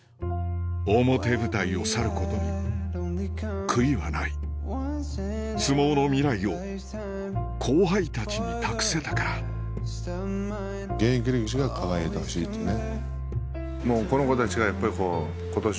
表舞台を去ることに悔いはない相撲の未来を後輩たちに託せたから現役力士が輝いてほしいっていうね。